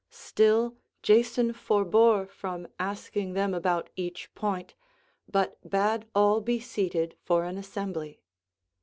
Still Jason forebore from asking them about each point but bade all be seated for an assembly.